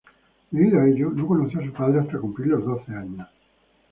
Debido a ello, no conoció a su padre hasta cumplir los doce años.